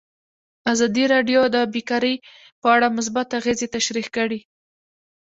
ازادي راډیو د بیکاري په اړه مثبت اغېزې تشریح کړي.